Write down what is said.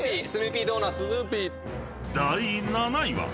［第７位は］